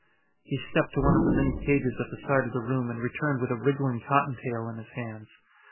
He stepped to one of the many cages at the side of the room and returned with a wriggling cottontail in his hands.